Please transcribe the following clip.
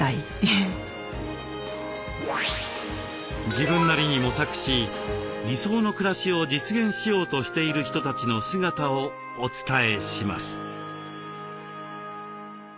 自分なりに模索し理想の暮らしを実現しようとしている人たちの姿をお伝えします。